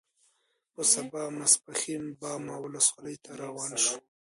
په سبا ماسپښین باما ولسوالۍ ته روان شوو.